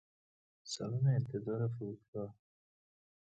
سالن انتظار فرودگاه